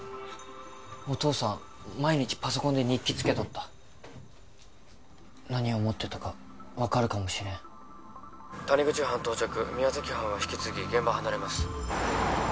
お父さん毎日パソコンで日記つけとった何を思ってたか分かるかもしれん谷口班到着宮崎班は引き継ぎ現場離れます